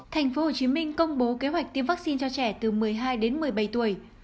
thành phố hồ chí minh công bố kế hoạch tiêm vaccine cho trẻ từ một mươi hai đến một mươi bảy tuổi